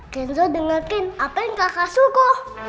kenzo dengerin apa yang kakak suka